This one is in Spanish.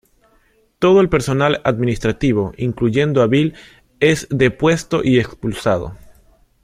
Todo el personal administrativo, incluyendo a Bill, es depuesto y expulsado.